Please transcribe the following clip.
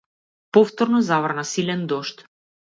Повторно заврна силен дожд.